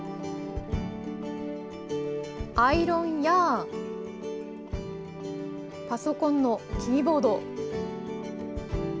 アイロンやパソコンのキーボード。